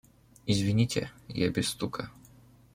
Извините, я без стука.